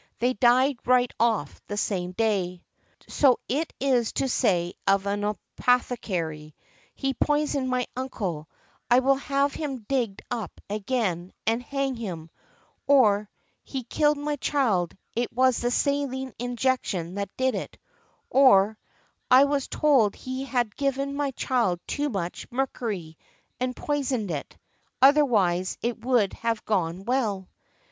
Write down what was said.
They died right off the same day" . So it is to say of an apothecary, "He poisoned my uncle; I will have him digged up again, and hang him," or, "He killed my child; it was the saline injection that did it;" or, "I was told he had given my child too much mercury, and poisoned it; otherwise, it would have got well" .